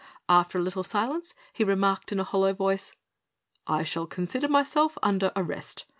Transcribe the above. After a little silence he remarked in a hollow voice: "I shall consider myself under arrest.